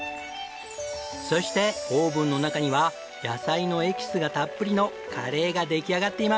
そしてオーブンの中には野菜のエキスがたっぷりのカレーが出来上がっています。